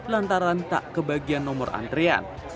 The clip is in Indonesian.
lantaran tak kebagian nomor antrean